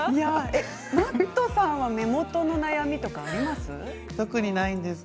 Ｍａｔｔさんは目元の悩みとかあります？